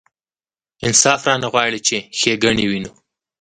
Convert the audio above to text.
انصاف رانه غواړي چې ښېګڼې وینو.